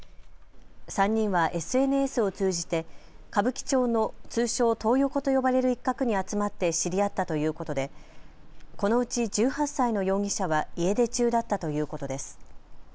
３人はＳＮＳを通じて歌舞伎町の通称、トー横と呼ばれる一角に集まって知り合ったということでこのうち１８歳の容疑者は家出中だったということです。